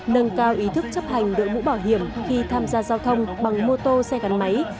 nâng cao ý thức chấp hành đội mũ bảo hiểm khi tham gia giao thông bằng mô tô xe gắn máy